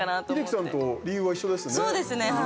英樹さんと理由は一緒ですね。